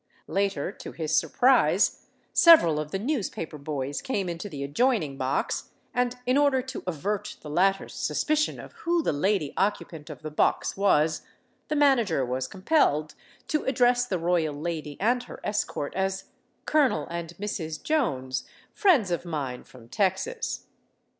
Later, to his surprise, several of the newspaper boys came into the adjoining box, and in order to avert the latter's suspicion of who the lady occupant of the box was, the manager was compelled to address the royal lady and her escort as "Colonel and Mrs. Jones, friends of mine from Texas."